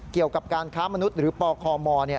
เกี่ยวกับการค้ามนุษย์หรือปคม